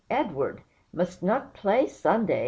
Edward must not play Sunday!"